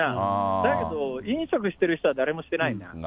だけど飲食してる人は誰もしてないな。